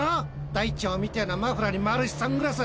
大腸みてぇなマフラーに丸いサングラス。